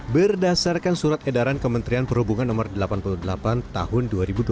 berdasarkan surat edaran kementerian perhubungan no delapan puluh delapan tahun dua ribu dua puluh